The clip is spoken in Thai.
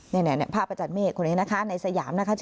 นี่ภาพอาจารย์เมฆคนนี้นะคะในสยามนะคะ